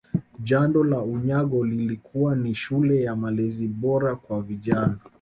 Jando na Unyago ilikuwa ni shule ya malezi bora kwa vijana